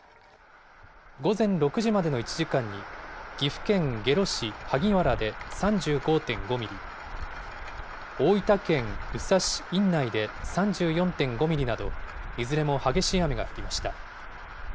午前６時までの１時間に、岐阜県下呂市萩原で３５．５ミリ、大分県宇佐市院内で３４．５ミリなど、いずれも激しい雨が降りました。